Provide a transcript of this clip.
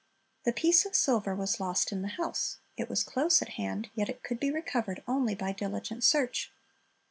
The piece of silver was lost in the house. It was close at hand, yet it could be recovered only by diligent search.